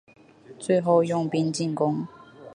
最后用兵进攻。